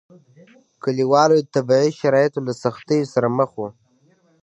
کلیوالو د طبیعي شرایطو له سختیو سره مخ وو.